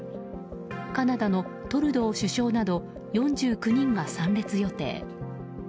カナダのトルドー首相など４９人が参列予定。